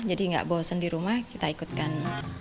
jadi nggak bosen di rumah kita ikutkan